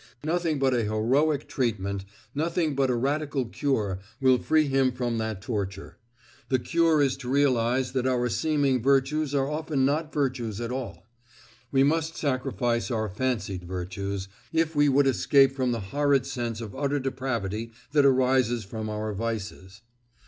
Nothing but an heroic treatment, nothing but a radical cure will free him from that torture; the cure is to realize that our seeming virtues are often not virtues at all. We must sacrifice our fancied virtues, if we would escape from the horrid sense of utter depravity that arises from our vices.